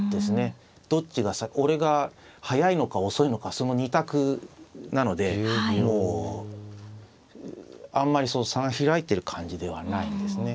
どっちが俺が早いのか遅いのかその２択なのでもうあんまり差が開いてる感じではないんですね。